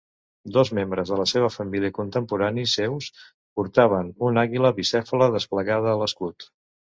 Dos membres de la seva família, contemporanis seus, portaven una àguila bicèfala desplegada a l'escut.